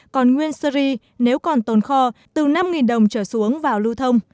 còn nguyên sơ ri nếu còn tồn kho từ năm đồng trở xuống vào lưu thông